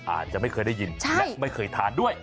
อาจจะไม่เคยได้ยินและไม่เคยทานด้วย